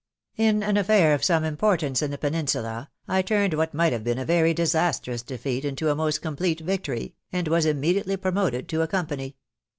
In an affair of some importance in the Peninsula, I turned what might have been a very disastrous defeat into i most complete victory, and was immediately promoted to a company.